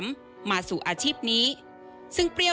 ไม่ได้ตั้งใจ